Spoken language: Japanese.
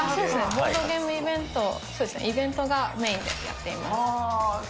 ボードゲームイベント、そうですね、イベントがメインでやっています。